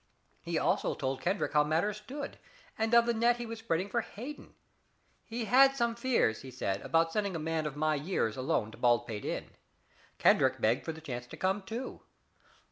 He also told Kendrick how matters stood, and of the net he was spreading for Hayden. He had some fears, he said, about sending a man of my years alone to Baldpate Inn. Kendrick begged for the chance to come, too.